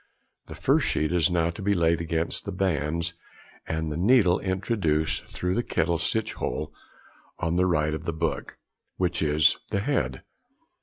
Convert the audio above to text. The first sheet is now to be laid against the bands, and the needle introduced through the kettle stitch hole on the right of the book, which is the |25| head.